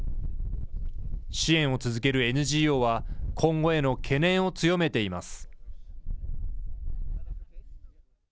支援を続けるＮＧＯは、今後への懸念を強めています。